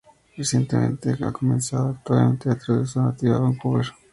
Recientemente ha comenzado a actuar en el teatro, en su nativa Vancouver.